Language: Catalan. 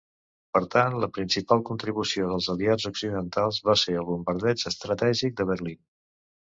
Per tant, la principal contribució dels aliats occidentals va ser el bombardeig estratègic de Berlín.